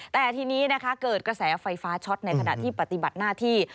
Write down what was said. แต่ทีนี้นะคะเกิดกระแสไฟฟ้าช็อตในขณะที่ปฏิบัติหน้าที่